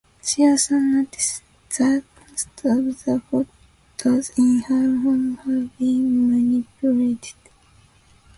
She also notices that most of the photos in her home have been manipulated.